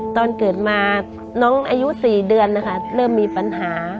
ตอนเกิดมาน้องอายุ๔เดือนนะคะเริ่มมีปัญหา